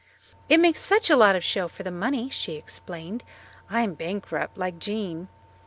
"It makes such a lot of show for the money," she explained. "I am bankrupt, like Jean."